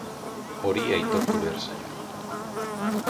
Hori aitortu behar zaio.